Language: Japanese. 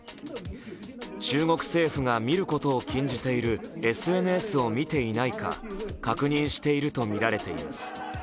中国政府が見ることを禁じているＳＮＳを見ていないか確認しているとみられています。